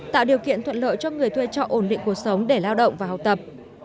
tạo điều kiện thuận lợi cho người thuê trọ ổn định cuộc sống để lao động và học tập